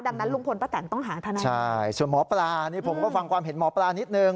ดังนั้นลุงพลป้าแตนต้องหาทนายใช่ส่วนหมอปลานี่ผมก็ฟังความเห็นหมอปลานิดนึง